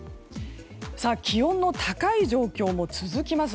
気温の高い状況も続きます。